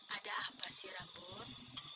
ada apa sih rambun